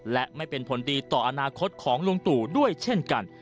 และไม่เป็นผลดีต่ออนาคตของลุงตู่ด้วยเช่นกัน